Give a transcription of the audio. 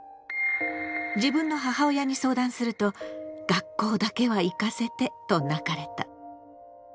自分の母親に相談すると「学校だけは行かせて」と泣かれた。